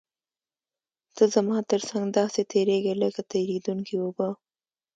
ته زما تر څنګ داسې تېرېږې لکه تېرېدونکې اوبه.